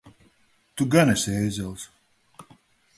Tu gan esi ēzelis!